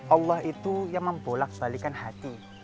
allah itu yang membolak balikan hati